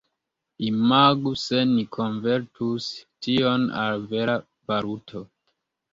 Imagu se ni konvertus tion al vera valuto.